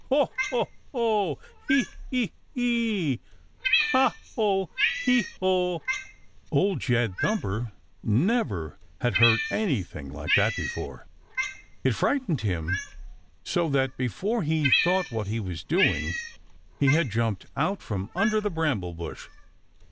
Ho, ho, ho! Hee, hee, hee! Ha, ho, hee, ho!" Old Jed Thumper never had heard anything like that before. It frightened him so that before he thought what he was doing he had jumped out from under the bramble bush.